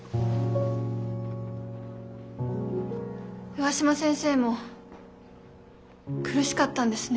上嶋先生も苦しかったんですね。